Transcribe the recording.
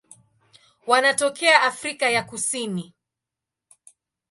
Wanatokea Afrika ya Kusini.